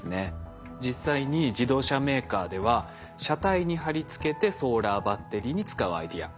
実際に自動車メーカーでは車体に貼り付けてソーラーバッテリーに使うアイデア。